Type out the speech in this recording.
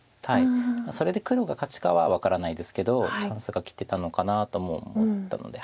それで黒が勝ちかは分からないですけどチャンスがきてたのかなとも思ったので。